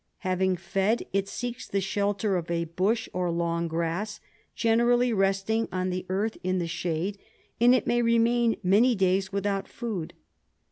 Having fed, it seeks the shelter of a bush or long grass, generally resting on the earth in the shade, and it may remain many days without food.